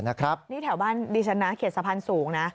นี่แถวบ้านดีชันเขียนสะพานสูง